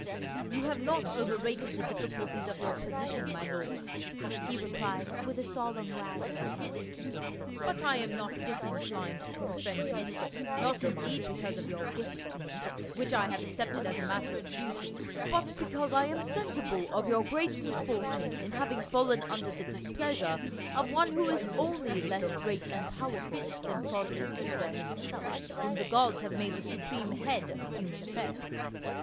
" You have not over rated the difficulties of your position, my lords," he replied with a solemn wag of the head, "but I am not disinclined to befriend you ; not indeed because of your gift to me — which I have accepted as a matter of duty, but because I am sensi ble of your great misfortune in having fallen under the displeasure of one who is only less great and powerful RETRIBUTION. 267 than Claudius Caesar himself, whom the gods have made the supreme head of human affairs.